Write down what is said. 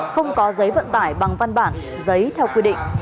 không có giấy vận tải bằng văn bản giấy theo quy định